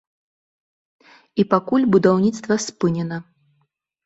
І пакуль будаўніцтва спынена.